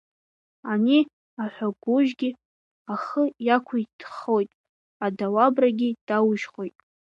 Ани аҳәагужьгьы ахы иақуиҭхаоит, адауабрагьгьы даужьхоит.